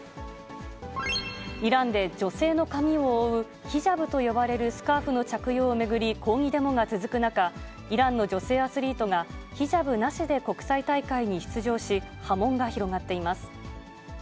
イランで女性の髪を覆うヒジャブと呼ばれるスカーフの着用を巡り抗議デモが続く中、イランの女性アスリートが、ヒジャブなしで国際大会に出場し、波紋が広がっています。